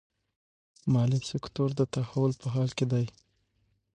مالي سکتور د تحول په حال کې دی.